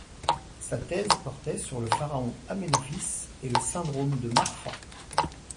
Sa thèse portait sur le pharaon Aménophis et le syndrome de Marfan.